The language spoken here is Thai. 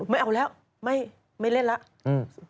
ไม่เอาแล้วไม่เล่นแล้ว